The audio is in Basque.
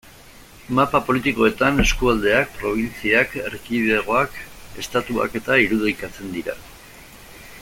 Mapa politikoetan eskualdeak, probintziak, erkidegoak, Estatuak-eta irudikatzen dira.